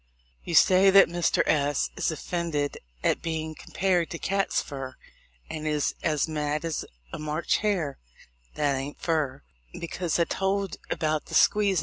You say that Mr. S is offended at being compared to cats' fur, and is as mad as a March hare (that ain't fur), because I told about the squeezin'.